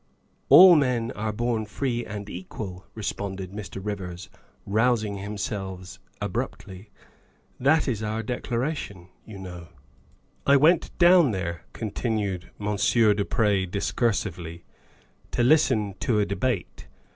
'' "All men are born free and equal," responded Mr. Rivers, rousing himself abruptly; " that is our Decla ration, you know." 100 THE WIFE OF " I went down there," continued Monsieur du Pre discursively, " to listen to a debate.